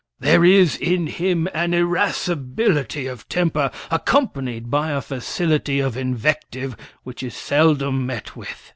There is in him an irascibility of temper, accompanied by a facility of invective, which is seldom met with.